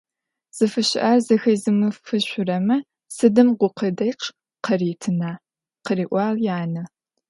«Зыфыщыӏэр зэхэзымыфышъурэмэ сыдым гукъыдэчъ къаритына?»,- къыриӏуагъ янэ.